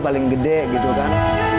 paling gede gitu kan